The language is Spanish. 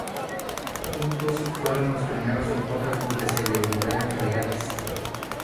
Juntos, fueron los primeros fotógrafos de celebridades reales.